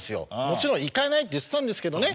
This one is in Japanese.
もちろん行かないって言ってたんですけどね。